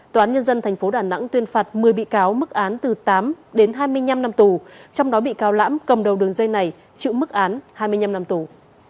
tòa án nhân dân tp đà nẵng tuyên phạt một mươi bị cáo mức án từ tám đến hai mươi năm năm tù trong đó bị cáo lãm cầm đầu đường dây này chịu mức án hai mươi năm năm tù